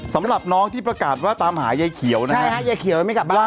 สำหรับน้องที่ประกาศว่าตามหายายเขียวนะฮะใช่ฮะยายเขียวไม่กลับบ้าน